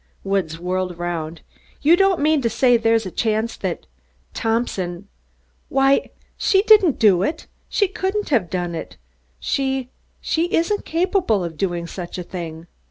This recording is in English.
Woods whirled around. "You don't mean to say there's a chance of that, Thompson? Why, she didn't do it, she couldn't have done it. She she isn't capable of doing such a thing.